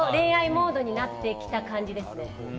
恋愛に恋愛モードになってきた感じですね。